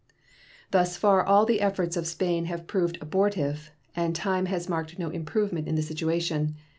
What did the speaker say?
Thus far all the efforts of Spain have proved abortive, and time has marked no improvement in the situation.